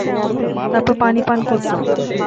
তারপর পানি পান করত।